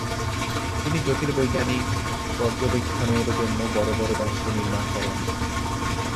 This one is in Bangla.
তিনি জ্যোতির্বৈজ্ঞানিক পর্যবেক্ষণের জন্য বড় বড় যন্ত্র নির্মাণ করেন।